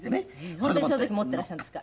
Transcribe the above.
本当にその時持ってらしたんですか？